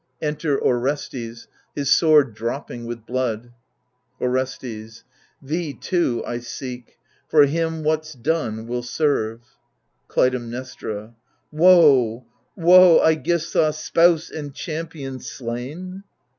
\Enter Orestes^ his sword dropping with blood Orestes Thee too I seek : for him what's done will serve. Clytemnestra Woe, woe I iCgisthus, spouse and champion, slain